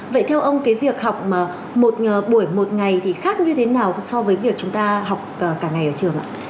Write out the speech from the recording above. vậy theo ông cái việc học một buổi một ngày thì khác như thế nào so với việc chúng ta học cả ngày ở trường ạ